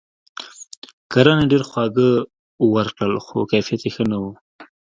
کرنې ډیر خواړه ورکړل؛ خو کیفیت یې ښه نه و.